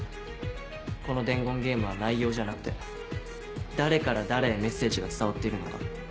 この伝言ゲームは内容じゃなくて誰から誰へメッセージが伝わっているのか。